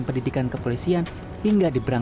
mohon izin perintah jenderal